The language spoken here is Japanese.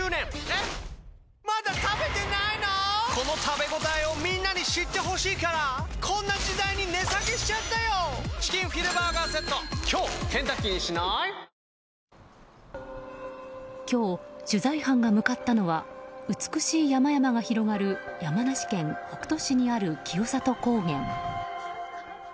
見たら、なか卯を運営する今日、取材班が向かったのは美しい山々が広がる山梨県北杜市にある清里高原。